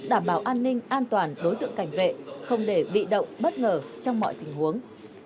đảm bảo an ninh an toàn đối tượng cảnh vệ không để bị động bất ngờ trong mọi tình huống